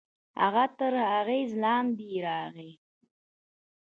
هغه تر اغېز لاندې يې راغی.